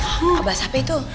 bahasa apa itu